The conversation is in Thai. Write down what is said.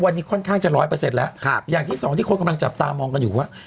วันนี้ค่อนข้างจะ๑๐๐แล้วอย่างที่๒ที่คนกำลังจับตามองกันอยู่ว่า